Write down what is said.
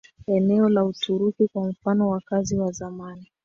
eneo la Uturuki Kwa mfano wakaazi wa zamani